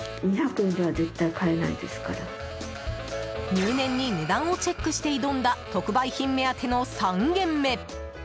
入念に値段をチェックをして挑んだ特売品目当ての３軒目。